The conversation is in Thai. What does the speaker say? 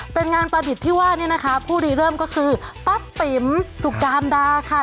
เป็นงานประดิษฐ์ที่ว่าเนี่ยนะคะผู้รีเริ่มก็คือป้าติ๋มสุการดาค่ะ